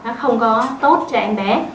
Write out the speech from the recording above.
nó không có tốt cho em bé